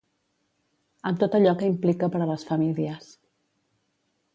Amb tot allò que implica per a les famílies.